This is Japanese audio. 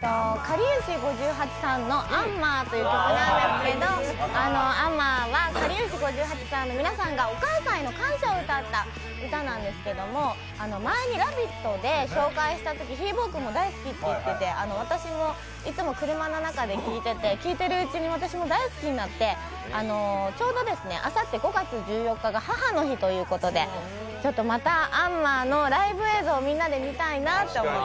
かりゆし５８さんの「アンマー」という曲なんですけど、「アンマー」はかりゆし５８さんのお母さんへの感謝を歌った歌なんですけど前に「ラヴィット！」で紹介したとき、ひーぼぉくんも大好きって言ってて私もいつも車の中で聴いていて聴いてるうちに私も大好きになって、ちょうどあさって５月１４日が母の日ということでまた「アンマー」のライブ映像をみんなで見たいなと思って。